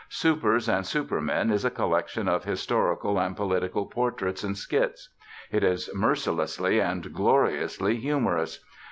Supers and Supermen is a collection of historical and political portraits and skits. It is mercilessly and gloriously humorous.